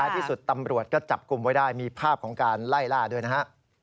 ที่สุดตำรวจก็จับกลุ่มไว้ได้มีภาพของการไล่ล่าด้วยนะฮะ